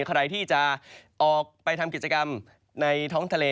ใครที่จะออกไปทำกิจกรรมในท้องทะเล